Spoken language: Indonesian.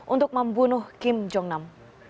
untuk membunuh kim jong nam